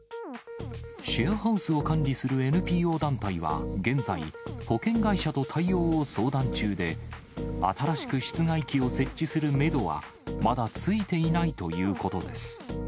シェアハウスを管理するＮＰＯ団体は、現在、保険会社と対応を相談中で、新しく室外機を設置するメドは、まだついていないということです。